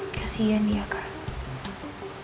kasian dia kak